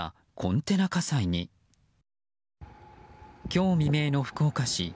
今日未明の福岡市。